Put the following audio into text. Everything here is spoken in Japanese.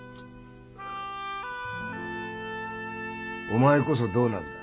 お前こそどうなんだ？